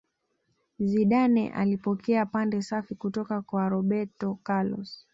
zidane alipokea pande safi kutoka kwa roberto carlos